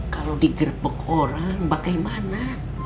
kalo digerebek orang bagaimana